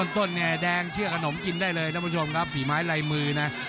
ต้นเนี่ยแดงเชื่อขนมกินได้เลยท่านผู้ชมครับฝีไม้ลายมือนะ